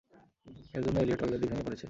এর জন্য Elliot already ভেঙে পড়েছে।